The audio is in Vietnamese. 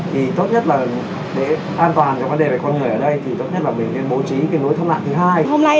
thì tốt nhất là để an toàn cho vấn đề về con người ở đây